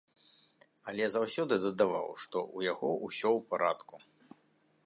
Але заўсёды дадаваў, што ў яго ўсё ў парадку.